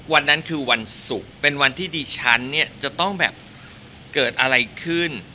วันนั้นคือวันศุกร์เป็นวันที่ดิฉันเนี่ยจะต้องแบบเกิดอะไรขึ้น